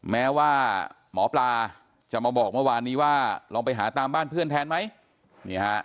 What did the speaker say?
แม้ว่าหมอปลาจะมาบอกเมื่อวานนี้ว่าลองไปหาตามบ้านเพื่อนแทนไหม